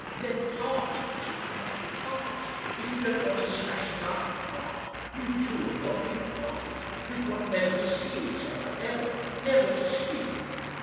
"Then part," she cried, "part. If you don't want a smashing up, part! You two have got to be parted. You've got never to see each other ever, never to speak."